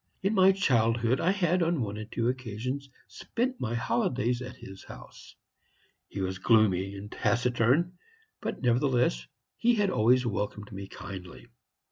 In my childhood I had, on one or two occasions, spent my holidays at his house. He was gloomy and taciturn, but nevertheless he had always welcomed me kindly.